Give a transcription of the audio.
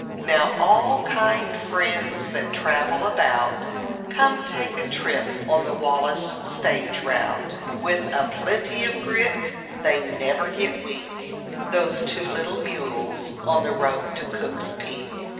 Now all kind friends that travel about, Come take a trip on the Wallis stage route. With a plenty of grit, they never get weak, Those two little mules on the road to Cook's Peak.